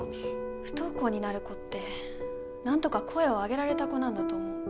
不登校になる子ってなんとか声を上げられた子なんだと思う。